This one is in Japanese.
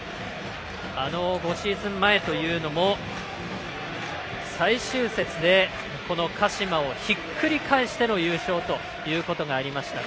あの５シーズン前というのも最終節で鹿島をひっくり返しての優勝ということがありました。